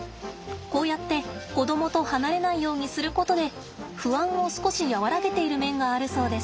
こうやって子供と離れないようにすることで不安を少し和らげている面があるそうです。